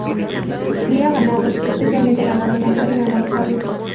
Cría ganados, especialmente ganado lanar y ganado cabrio.